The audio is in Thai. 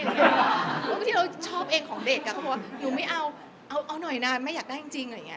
บางทีเราชอบเองของเด็กกันเขาก็บอกว่าอยู่ไม่เอาเอาหน่อยนะแม่อยากได้จริง